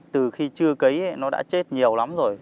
từ khi chưa cấy nó đã chết nhiều lắm rồi